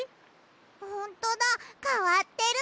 ほんとだかわってる。